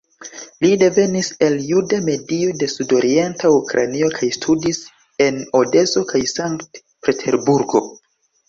Li devenis el juda medio de Sudorienta Ukrainio kaj studis en Odeso kaj Sankt-Peterburgo.